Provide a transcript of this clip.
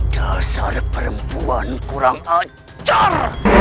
dasar perempuan kurang ajar